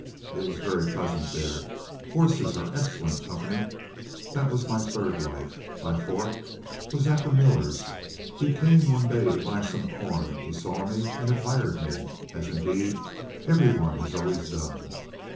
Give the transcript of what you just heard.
It was very pleasant there. Horses are excellent company. That was my third life. My fourth was at the miller's. He came one day to buy some corn; he saw me, and admired me as, indeed, every one has always done.